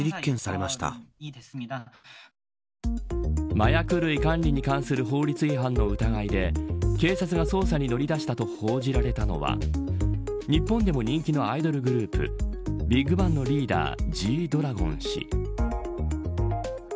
麻薬類管理に関する法律違反の疑いで警察が捜査に乗り出したと報じられたのは日本でも人気のアイドルグループＢＩＧＢＡＮＧのリーダーＧ‐ＤＲＡＧＯＮ氏。